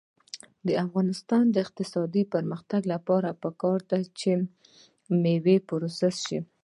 د افغانستان د اقتصادي پرمختګ لپاره پکار ده چې مېوې پروسس شي.